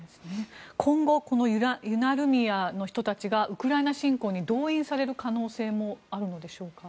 今後このユナルミヤの人たちがウクライナ侵攻に動員される可能性もあるのでしょうか。